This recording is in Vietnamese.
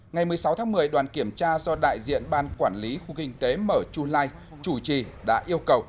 ngày một mươi sáu tháng một mươi đoàn kiểm tra do đại diện ban quản lý khu kinh tế mở chu lai chủ trì đã yêu cầu